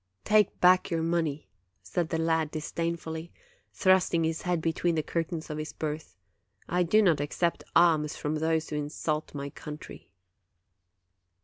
" Take back your money !' said the lad, disdainfully, thrusting his head between the curtains of his berth; 'I do not accept alms from those who insult my country!'